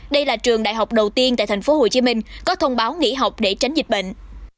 đây là trường đại học đầu tiên tại tp hcm có thông báo nghỉ học để tránh dịch bệnh